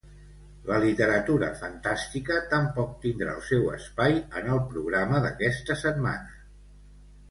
La literatura fantàstica tampoc tindrà el seu espai en el programa d'aquesta setmana.